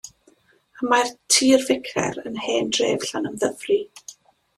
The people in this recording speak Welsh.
Y mae Tŷ'r Ficer yn hen dref Llanymddyfri.